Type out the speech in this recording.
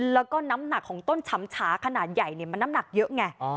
แล้วก็น้ำหนักของต้นฉำฉาขนาดใหญ่มันน้ำหนักเยอะไง